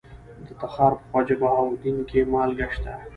د تخار په خواجه بهاوالدین کې مالګه شته.